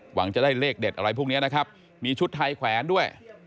หวังจะได้เลขเด็ดอะไรพวกนี้นะครับมีชุดไทยแขวนด้วย